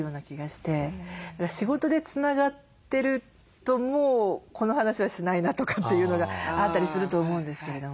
仕事でつながってると「もうこの話はしないな」とかっていうのがあったりすると思うんですけれども。